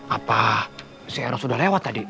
apa si eros udah lewat tadi